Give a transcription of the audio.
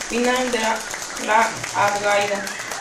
Pinar de La Algaida